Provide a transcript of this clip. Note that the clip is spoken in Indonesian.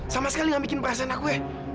sama sekali gak bikin perasaan aku ya